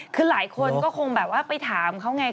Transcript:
คือหลายคนก็คงแบบว่าไปถามเขาไง